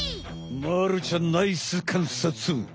まるちゃんナイスかんさつ！